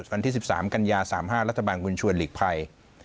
วันที่๑๓กันยา๓๕รัฐบาลบุญชวนหลีกภัย